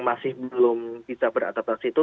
masih belum bisa beradaptasi itu